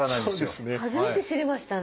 初めて知りましたね。